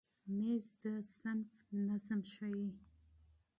مېز د صنف نظم ښیي.